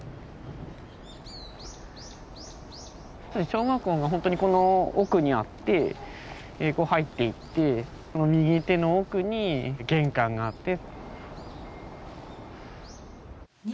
小学校がほんとにこの奥にあってこう入っていって右手の奥に玄関があって。